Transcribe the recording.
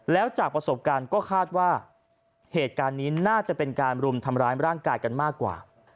แล้วจากประสบการณ์ก็คาดว่าเหตุการณ์นี้น่าจะเป็นการรุมทำร้ายร่างกายกันมากกว่า